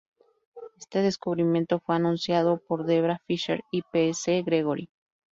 Este descubrimiento fue anunciado por Debra Fischer y P. C. Gregory.